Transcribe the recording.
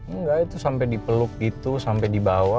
enggak itu sampai dipeluk gitu sampai dibawa